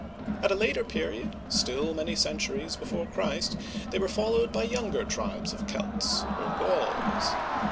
^ At a later period, still many centuries before Christ, they were followed by younger tribes of Celts, or Gauls.